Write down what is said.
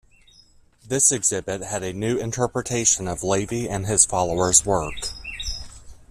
This exhibit had a new interpretation of Lavie and his followers work.